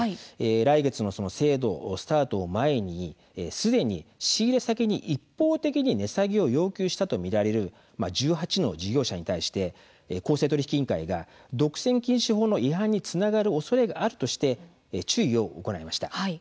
来月の制度のスタートを前にすでに仕入れ先に一方的に値下げを要求したと見られる１８の事業者に対して公正取引委員会が独占禁止法の違反につながるおそれがあるとして注意を行いました。